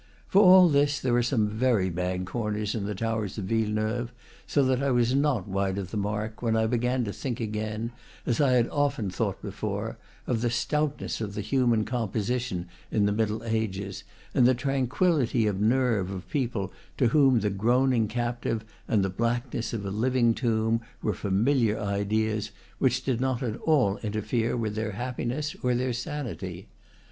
For all this, there are some very bad corners in the towers of Villeneuve, so that I was not wide of the mark when I began to think again, as I had often thought before, of the stoutness of the human composition in the Middle Ages, and the tranquillity of nerve of people to whom the groaning captive and the blackness of a "living tomb" were familiar ideas, which did not at all interfere with their happiness or their sanity.